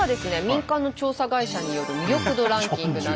民間の調査会社による魅力度ランキングなんですけれど。